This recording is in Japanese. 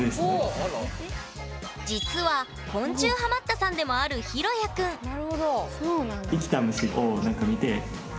実は昆虫ハマったさんでもあるひろやくんへ。